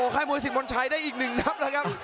ไข้มวยสิดมนต์ชายได้อีกหนึ่งครับ